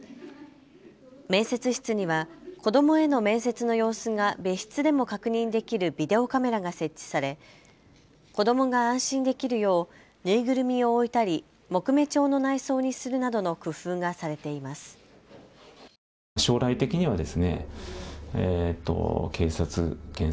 面接室には子どもへの面接の様子が別室でも確認できるビデオカメラが設置され、子どもが安心できるよう縫いぐるみを置いたり木目調の内装にするなどの工夫がされています。